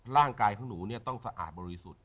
ร่างกายของหนูต้องสะอาดบริสุทธิ์